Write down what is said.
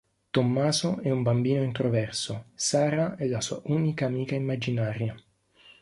Tommaso è un bambino introverso, Sara è la sua unica amica immaginaria.